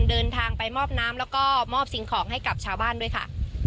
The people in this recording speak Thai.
เดินทางไปมอบน้ำแล้วก็มอบสิ่งของให้กับชาวบ้านด้วยค่ะ